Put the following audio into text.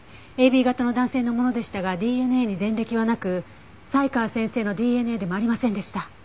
ＡＢ型の男性のものでしたがＤＮＡに前歴はなく才川先生のＤＮＡでもありませんでした。